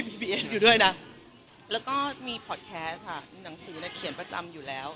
บีบีเอสอยู่ด้วยน่ะแล้วก็มีค่ะหนังสือนะเขียนประจำอยู่แล้ว